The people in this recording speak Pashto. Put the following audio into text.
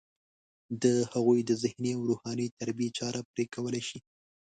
د هغوی د ذهني او روحاني تربیې چاره پرې کولی شي.